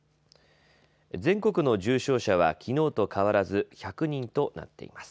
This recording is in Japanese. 全国の重症者はきのうと変わらず１００人となっています。